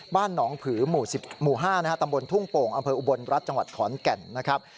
บ้านหนองผือหมู่๕ตำบลทุ่งโป่งอำเภออุบลรัฐจังหวัดขอนแก่นนะครับ